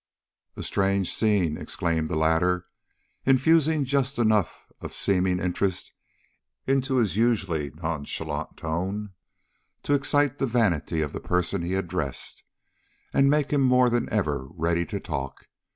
"A strange scene!" exclaimed the latter, infusing just enough of seeming interest into his usually nonchalant tone to excite the vanity of the person he addressed, and make him more than ever ready to talk.